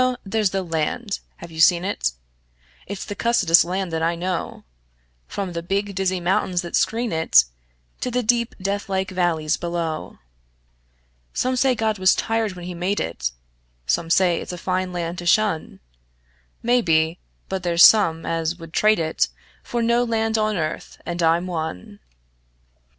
There's the land. (Have you seen it?) It's the cussedest land that I know, From the big, dizzy mountains that screen it To the deep, deathlike valleys below. Some say God was tired when He made it; Some say it's a fine land to shun; Maybe; but there's some as would trade it For no land on earth and I'm one.